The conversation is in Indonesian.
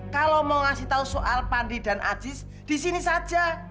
kalau mau ngasih tahu soal pandi dan ajiis di sini saja